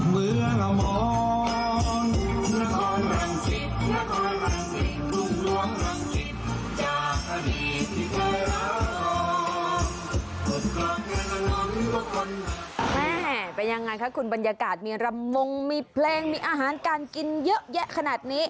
แม่เป็นยังไงคะคุณบรรยากาศมีรำมงมีเพลงมีอาหารการกินเยอะแยะขนาดนี้